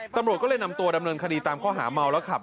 ตำรวจก็เลยนำตัวดำเนินคดีตามข้อหาเมาแล้วขับ